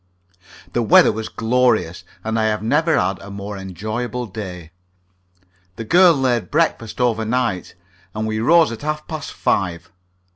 The weather was glorious, and I have never had a more enjoyable day. The girl laid breakfast overnight, and we rose at half past five.